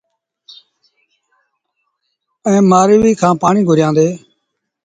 ائيٚݩ مآرويٚ کآݩ پآڻيٚ گھُريآݩدي۔